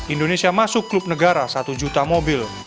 indonesia masuk klub negara satu juta mobil